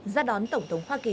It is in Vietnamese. giá đón tổng thống hoa kỳ